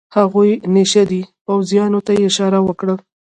هغوی نشه دي، پوځیانو ته یې اشاره وکړل.